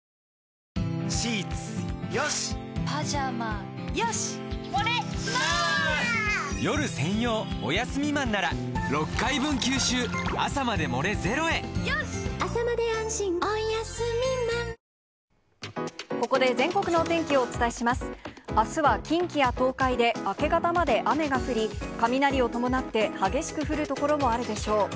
あすは近畿や東海で明け方まで雨が降り、雷を伴って激しく降る所もあるでしょう。